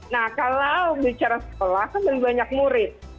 nah kalau bicara sekolah kan belum banyak murid